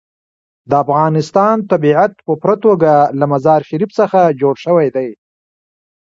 د افغانستان طبیعت په پوره توګه له مزارشریف څخه جوړ شوی دی.